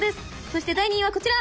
そして第２位はこちら！